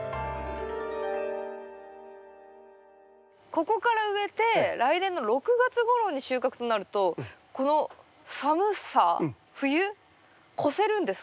ここから植えて来年の６月ごろに収穫となるとこの寒さ冬越せるんですか？